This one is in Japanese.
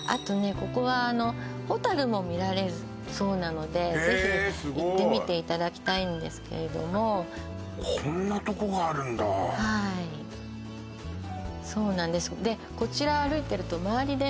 ここはあのホタルも見られるそうなのでへえすごいぜひ行ってみていただきたいんですけれどもこんなとこがあるんだはいそうなんですでこちら歩いてると周りでね